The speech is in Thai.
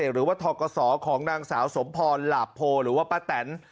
หรือว่าทอกสรของนางสาวสมพรหรือว่าป้าแตน